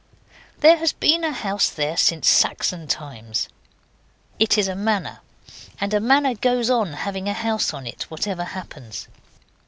There has been a house there since Saxon times. It is a manor, and a manor goes on having a house on it whatever happens.